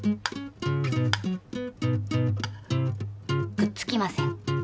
くっつきません。